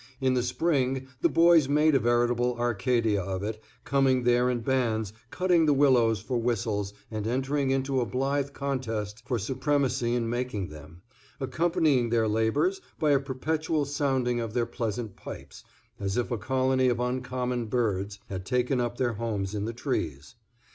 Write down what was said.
In the spring the boys made a veritable Arcadia of it, coming there in bands, cutting the willows for whistles, and entering into a blithe contest for supremacy in making them, accompanying their labors by a perpetual sounding of their pleasant pipes, as if a colony of uncommon birds had taken up their homes in the trees.